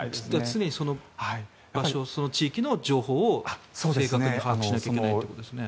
常にその地域の情報を正確に把握しなきゃいけないということですね。